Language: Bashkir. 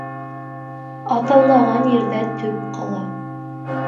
Ат аунаған ерҙә төк ҡала.